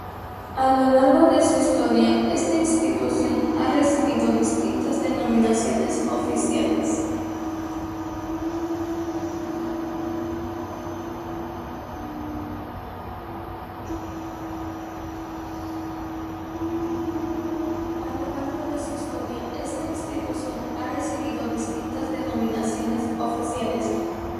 A lo largo de su historia esta institución ha recibido distintas denominaciones oficiales.